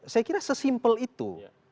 saya kira sesimpel itu